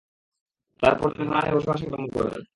তারপর তারা হারানে বসবাস আরম্ভ করেন।